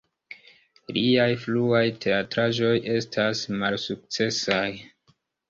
Liaj fruaj teatraĵoj estas malsukcesaj.